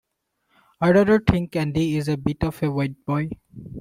I rather think Andy is a bit of a wide boy.